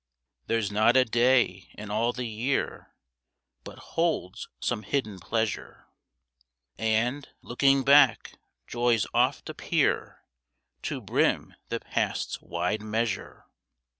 There's not a day in all the year But holds some hidden pleasure, And, looking back, joys oft appear To brim the past's wide measure.